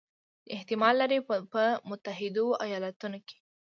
چې احتمال لري په متحدو ایالتونو کې